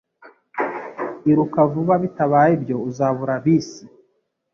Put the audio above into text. Iruka vuba, bitabaye ibyo uzabura bisi.